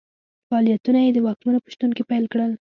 فعالیتونه یې د واکمنو په شتون کې پیل کړل.